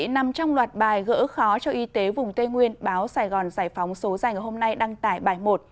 nằm trong loạt bài gỡ khó cho y tế vùng tây nguyên báo sài gòn giải phóng số dành hôm nay đăng tải bài một